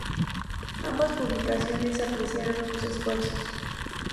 Ambas publicaciones apreciaron sus esfuerzos.